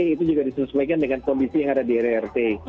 itu juga disesuaikan dengan kondisi yang ada di rrt